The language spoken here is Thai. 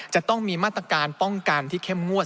จะต้องมีมาตรการป้องกันที่เข้มงวด